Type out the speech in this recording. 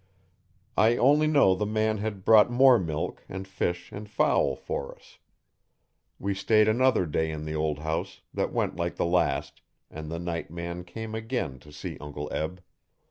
I only know the man had brought more milk and fish and fowl for us. We stayed another day in the old house, that went like the last, and the night man came again to see Uncle Eb.